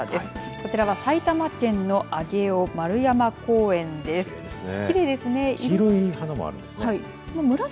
こちらは埼玉県の上尾丸山公園です。